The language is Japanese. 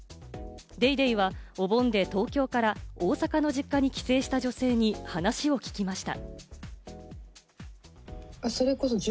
『ＤａｙＤａｙ．』はお盆で東京から大阪の実家に帰省した女性に話を聞きました。